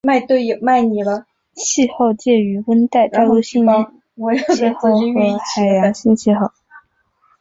气候介于温带大陆性气候和海洋性气候。